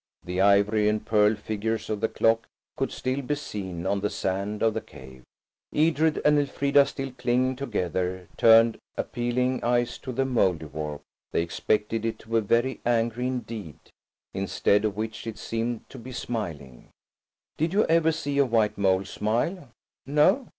The ivory and pearl figures of the clock could still be seen on the sand of the cave. Edred and Elfrida, still clinging together, turned appealing eyes to the Mouldiwarp. They expected it to be very angry indeed, instead of which it seemed to be smiling. (Did you ever see a white mole smile? No?